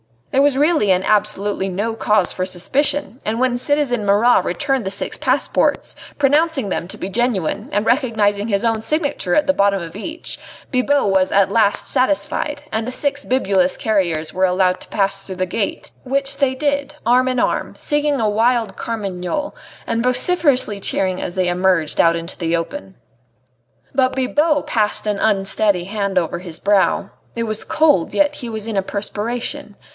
There was really and absolutely no cause for suspicion, and when citizen Marat returned the six passports, pronouncing them to be genuine, and recognising his own signature at the bottom of each, Bibot was at last satisfied, and the six bibulous carriers were allowed to pass through the gate, which they did, arm in arm, singing a wild curmagnole, and vociferously cheering as they emerged out into the open. But Bibot passed an unsteady hand over his brow. It was cold, yet he was in a perspiration.